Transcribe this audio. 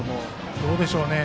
どうでしょうね。